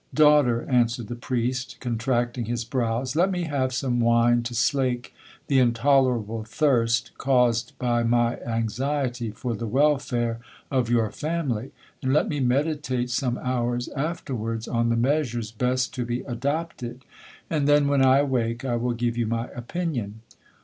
'—'Daughter,' answered the priest, contracting his brows, 'let me have some wine to slake the intolerable thirst caused by my anxiety for the welfare of your family, and let me meditate some hours afterwards on the measures best to be adopted, and then—when I awake, I will give you my opinion.'